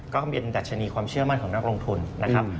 ก็เป็นดัชนีความเชื่อมั่นของนักลงทุนนะครับ